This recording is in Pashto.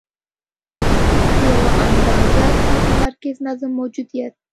د یوه اندازه متمرکز نظم موجودیت.